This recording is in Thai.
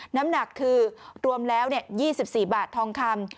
น้ำหนักคือรวมแล้ว๒๔บาททองคำ